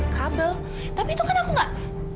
kabel tapi itu kan aku enggak